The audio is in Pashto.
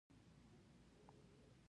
یو خارجي ونه وژل شو.